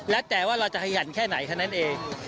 แล้วแต่ว่าเราจะขยันแค่ไหนแค่นั้นเอง